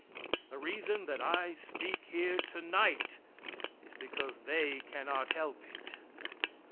The reason that I speak here tonight is because they cannot help it.